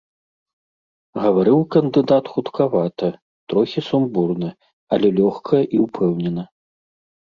Гаварыў кандыдат хуткавата, трохі сумбурна, але лёгка і ўпэўнена.